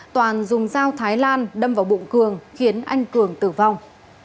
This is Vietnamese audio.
toàn dùng dao thái lan đâm vào bụng cường khiến anh cường tử vong